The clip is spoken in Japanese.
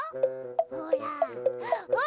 ほらほら！